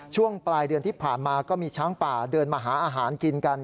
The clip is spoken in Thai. ช่วงปลายเดือนที่ผ่านมาก็มีช้างป่าเดินมาหาอาหารกินกัน